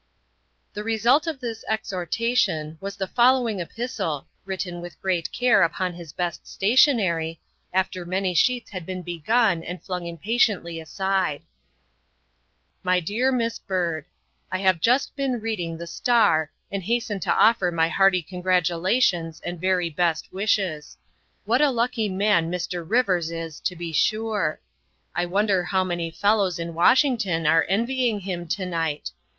The result of this exhortation was the following epistle, written with great care upon his best stationery, after many sheets had been begun and flung impatiently aside :" MY DEAR Miss BYBD : I have just been reading the Star and hasten to offer my hearty congratulations and very best wishes. What a lucky man Mr. Rivers is, to be sure! I wonder how many fellows in Washington are envying him to night.